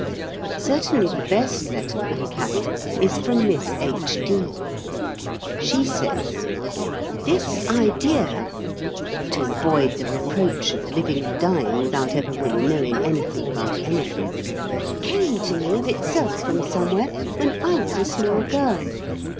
Certainly the best letter I have had is from Miss H. D. She says: "This idea [to avoid the reproach of 'living and dying without ever really knowing anything about anything'] came to me of itself from somewhere when I was a small girl.